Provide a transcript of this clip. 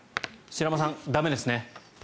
白濱さん、駄目ですね。